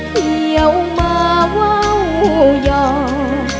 ภูมิสุภาพยาบาลภูมิสุภาพยาบาล